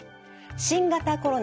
新型コロナ